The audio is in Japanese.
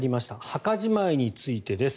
墓じまいについてです。